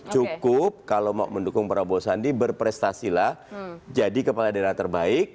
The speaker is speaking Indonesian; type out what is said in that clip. cukup kalau mau mendukung prabowo sandi berprestasilah jadi kepala daerah terbaik